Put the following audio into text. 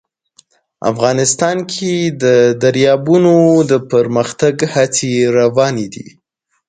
افغانستان کې د دریابونه د پرمختګ هڅې روانې دي.